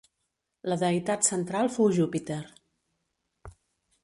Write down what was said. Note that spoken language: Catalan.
La deïtat central fou Júpiter.